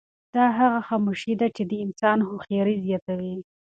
دا هغه خاموشي ده چې د انسان هوښیاري زیاتوي.